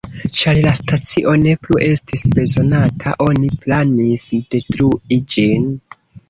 Ĉar la stacio ne plu estis bezonata, oni planis, detrui ĝin.